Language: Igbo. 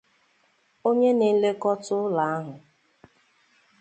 onye na-elekọta ụlọ ahụ